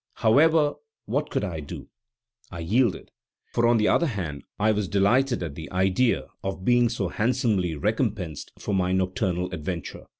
However, what could I do? I yielded; for on the other hand I was delighted at the idea of being so handsomely recompensed for my nocturnal adventure.